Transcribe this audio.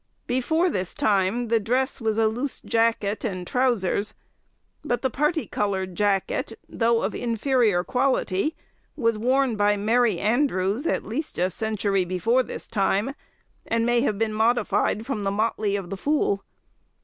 Before this time the dress was a loose jacket and trousers, but the party coloured jacket, though of inferior quality, was worn by merry andrews at least a century before this time, and may have been modified from the motley of the fool.